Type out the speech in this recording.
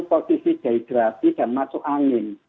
posisi dehidrasi dan masuk angin